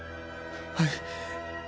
はい。